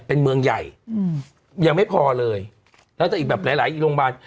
เป็นเมืองใหญ่อืมยังไม่พอเลยแล้วจะอีกแบบหลายหลายอีกโรงพยาบาล